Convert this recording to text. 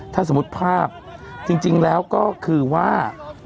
ถ้าสมมุติภาพจริงแล้วก็คือว่า